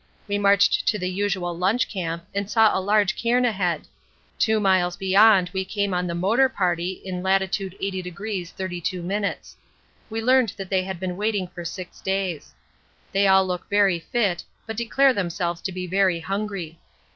We marched to the usual lunch camp and saw a large cairn ahead. Two miles beyond we came on the Motor Party in Lat. 80° 32'. We learned that they had been waiting for six days. They all look very fit, but declare themselves to be very hungry.